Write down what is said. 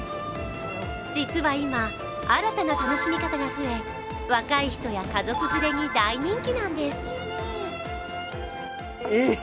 実は今、新たな楽しみ方が増え、若い人や家族連れに大人気なんです。